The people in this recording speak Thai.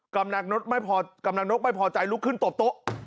กำลังนกไม่พอกำลังนกไม่พอใจลุกขึ้นตบโต๊ะ